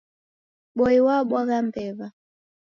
Boi wabwagha mbew'a.